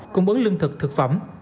cung bấn lương thực thực phẩm